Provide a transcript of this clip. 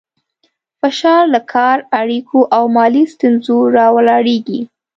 فشار له کار، اړیکو او مالي ستونزو راولاړېږي.